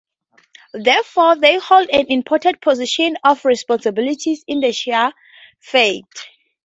Therefore, they hold an important position of responsibility in the Shia faith.